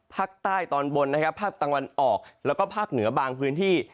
ภาคใต้ตอนบนนะครับภาคตะวันออกแล้วก็ภาคเหนือบางพื้นที่